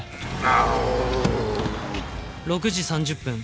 ６時３０分。